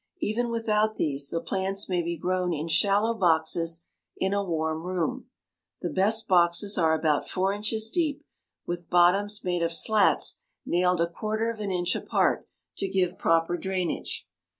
Even without these the plants may be grown in shallow boxes in a warm room. The best boxes are about four inches deep with bottoms made of slats nailed a quarter of an inch apart to give proper drainage.